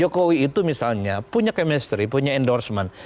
jokowi itu misalnya punya chemistry punya endorsement